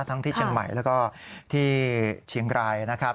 ที่เชียงใหม่แล้วก็ที่เชียงรายนะครับ